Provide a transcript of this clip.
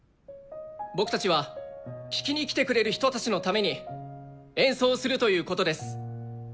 僕たちは聴きに来てくれる人たちのために演奏をするということです。